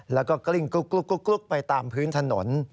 แล้วก็กลิ้งกุ๊กไปตามพื้นถนน